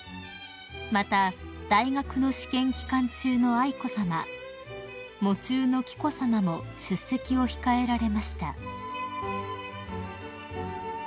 ［また大学の試験期間中の愛子さま喪中の紀子さまも出席を控えられました］